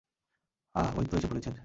আহ, ওই তো, এসে পড়েছেন।